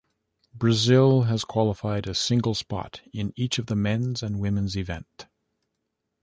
Brazil has qualified a single spot each in the men's and women's event.